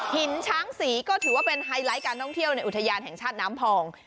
หินช้างศรีก็ถือว่าเป็นไฮไลท์การท่องเที่ยวในอุทยานแห่งชาติน้ำพอง